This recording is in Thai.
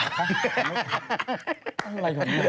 นางขอบคุณจริงหรอเธอ